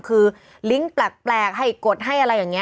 คือลิงก์แปลกให้กดให้อะไรอย่างนี้